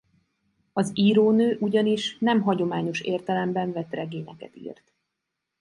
Az írónő ugyanis nem hagyományos értelemben vett regényeket írt.